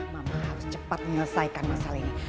memang harus cepat menyelesaikan masalah ini